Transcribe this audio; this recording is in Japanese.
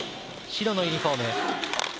白のユニフォーム。